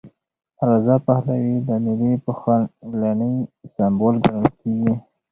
رضا پهلوي د ملي پخلاینې سمبول ګڼل کېږي.